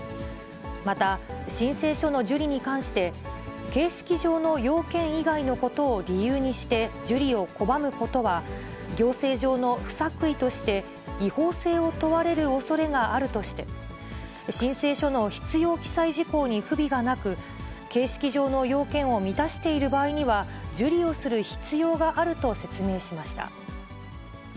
また、申請書の受理に関して、形式上の要件以外のことを理由にして、受理を拒むことは、行政上の不作為として、違法性を問われるおそれがあるとして、申請書の必要記載事項に不備がなく、形式上の要件を満たしている場合には、受理をする必要があると説明をしました。